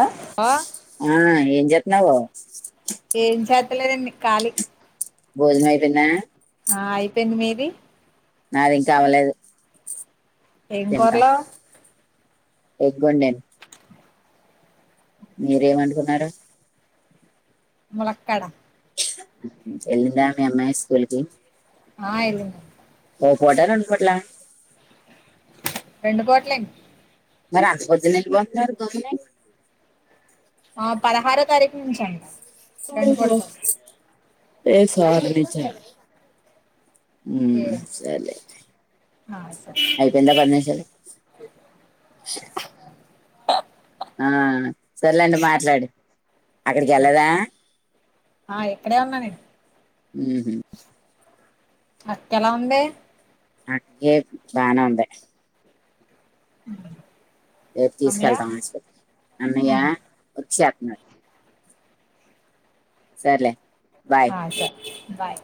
ఆ ఓ ఏం జేతున్నావు. చేత లేనండి ఖాళీ భోజనయిపోన్నద ఆ అయిపోయింది మీది నాది ఇంక కావలేదు. ఎం కూరలు ఎగ్ అండన్ మీరేమంటకున్నారు ములక్కడ ఎందా మీ అమ్మాయి స్కూలికి ఆ ఇదుడి పోఓ పోటాలడి పోట్లా రెం పోటలా మరి అంత కొద్ద్ద ని బసన్నారు దనే ఆ పదహారో తారీఖు నుంచి అండి స ఏ స చ ఏ సరే ఆ సరే అయిపో ఎందా పచ్చాలు ఆ సరలేండి మాట్లాడి ఆ ఎక్కడే ఉన్నా నేను ఉ అక్కలా ఉందే అకే బాన ఉంద ేపు అమ్మయ్య తీసుకెళ్తాం అన్నయ్య వ అ సరలే ఆ సర బాయ్